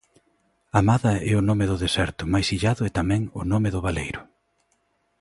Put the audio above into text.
Hamada é o nome do deserto máis illado e tamén o nome do baleiro.